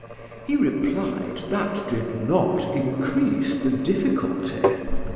—He replied, that did not increase the difficulty.